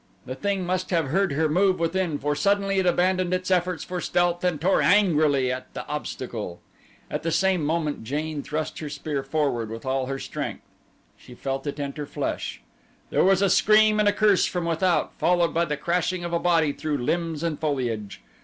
The thing must have heard her move within for suddenly it abandoned its efforts for stealth and tore angrily at the obstacle. At the same moment Jane thrust her spear forward with all her strength. She felt it enter flesh. There was a scream and a curse from without, followed by the crashing of a body through limbs and foliage.